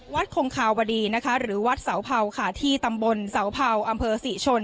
คงคาวดีนะคะหรือวัดเสาเผาค่ะที่ตำบลเสาเผาอำเภอศรีชน